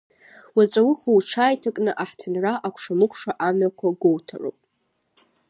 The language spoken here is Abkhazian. Уаҵә ауха уҽааиҭакны аҳҭынра акәша-мыкәша амҩақәа гәоуҭароуп.